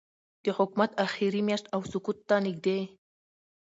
د حکومت آخري میاشت او سقوط ته نږدې